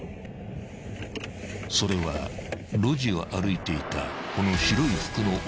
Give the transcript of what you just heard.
［それは路地を歩いていたこの］